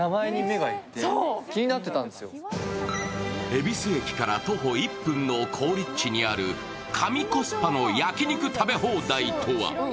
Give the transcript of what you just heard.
恵比寿駅から徒歩１分の好立地にある神コスパの焼き肉食べ放題とは。